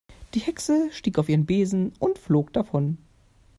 Die Hexe stieg auf ihren Besen und flog davon.